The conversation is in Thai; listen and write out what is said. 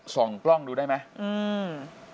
ส่องกล้องดูได้ไหมอืม